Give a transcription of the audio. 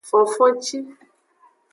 Fonfonci.